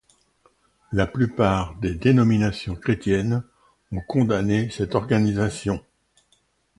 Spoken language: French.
La plupart des dénominations chrétiennes ont condamné cette organisation.